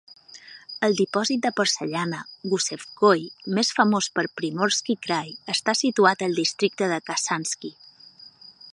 El dipòsit de porcellana Gusevskoye més famós de Primorsky Krai està situat al districte de Khasansky.